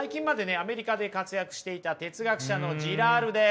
アメリカで活躍していた哲学者のジラールです。